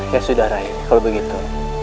ya sudah raih kalau begitu